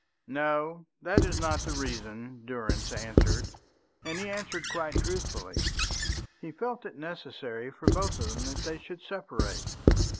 "No, that is not the reason," Durrance answered, and he answered quite truthfully. He felt it necessary for both of them that they should separate.